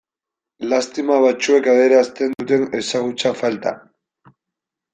Lastima batzuek adierazten duten ezagutza falta.